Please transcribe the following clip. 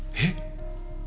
えっ？